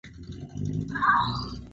Safari ya kwanza ya kuelekea bara hindi